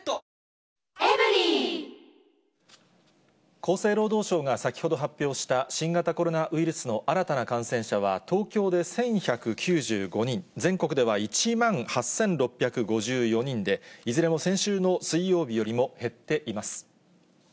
厚生労働省が先ほど発表した、新型コロナウイルスの新たな感染者は、東京で１１９５人、全国では１万８６５４人で、いずれも先週の水曜日よりも減っています。